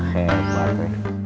he banget ya